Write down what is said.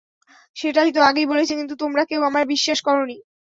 সেটাই তো, আগেই বলেছি কিন্তু, তোমরা কেউ আমায় বিশ্বাস করো নি।